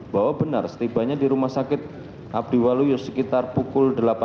bahwa benar setibanya di rumah sakit abdiwaluyo sekitar pukul delapan belas